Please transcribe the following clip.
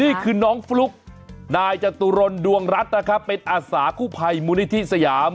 นี่คือน้องฟลุ๊กนายจตุรนดวงรัฐนะครับเป็นอาสากู้ภัยมูลนิธิสยาม